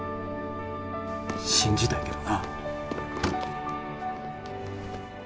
信じたいけどな。